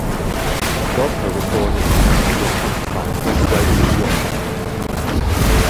Godber was born in Upton, near Pontefract, West Riding of Yorkshire.